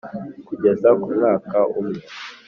kugeza ku mwaka umwe